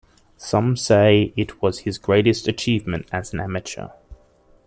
Some say it was his greatest achievement as an amatuer.